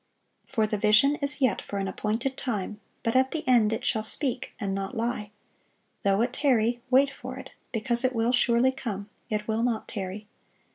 For the vision is yet for an appointed time, but at the end it shall speak, and not lie: though it tarry, wait for it; because it will surely come, it will not tarry.